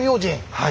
はい。